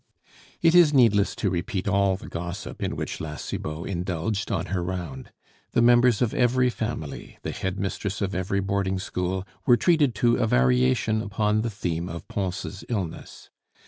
It is needless to repeat all the gossip in which La Cibot indulged on her round. The members of every family, the head mistress of every boarding school, were treated to a variation upon the theme of Pons' illness.